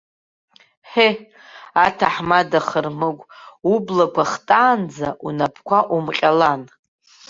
Ҳее, аҭаҳмада хырмыгә, ублақәа хтаанӡа унапқәа умҟьалан!